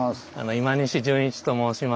今西純一と申します。